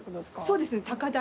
そうですね高台。